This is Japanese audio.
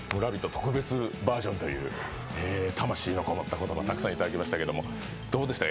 特別バージョンという魂のこもった言葉たくさんいただきましたけどどうした？